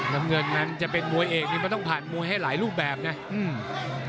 เพราะฉะนั้นจะเป็นมวยเอกนี่มันต้องผ่านมวยให้หลายรูปแบบเนี่ย